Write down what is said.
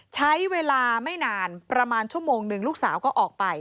ใช้เวลาไม่นานประมาณชั่วโมงหนึ่งลูกสาวก็ออกไป